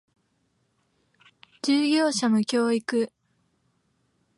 従業者の教育